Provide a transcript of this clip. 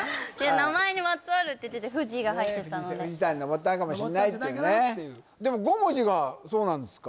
名前にまつわるって言ってて富士が入ってたので富士山に登ったかもしれないとでも五文字がそうなんですか？